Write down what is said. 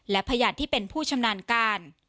และพยานที่เป็นผู้ชำนาญการ